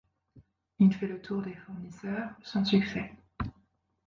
Il fait le tour des fournisseurs, sans succès.